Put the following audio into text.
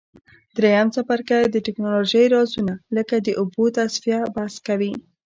دریم څپرکی د تکنالوژۍ رازونه لکه د اوبو تصفیه بحث کوي.